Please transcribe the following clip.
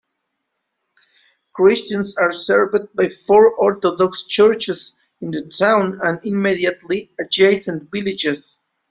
Christians are served by four Orthodox churches in the town and immediately adjacent villages.